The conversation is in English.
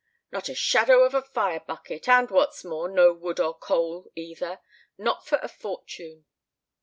"Not a shadow of a fire bucket, and what's more, no wood or coal either, not for a fortune."